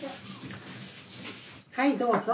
はいどうぞ。